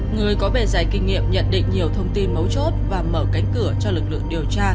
người có bề dày kinh nghiệm nhận định nhiều thông tin mấu chốt và mở cánh cửa cho lực lượng điều tra